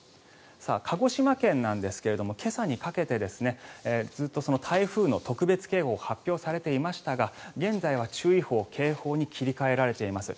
鹿児島県なんですが今朝にかけてずっと台風の特別警報が発表されていましたが現在は注意報警報に切り替えられています。